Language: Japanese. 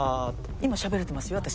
今しゃべれてますよ私。